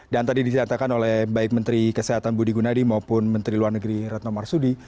dan tadi disatakan oleh baik menteri kesehatan budi gunadi maupun menteri luar negeri retno marsudi